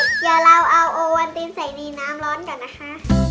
เดี๋ยวเราเอาโอวันตินใส่ดีน้ำร้อนก่อนนะคะ